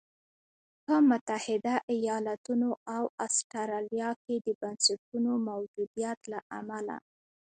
په متحده ایالتونو او اسټرالیا کې د بنسټونو موجودیت له امله.